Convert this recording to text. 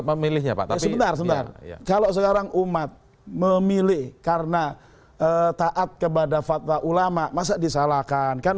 pemilihnya pak tapi sebentar sebentar kalau sekarang umat memilih karena taat kepada fatwa ulama masa disalahkan kan